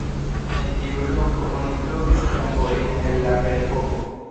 En tiu loko oni trovis tombojn el la ferepoko.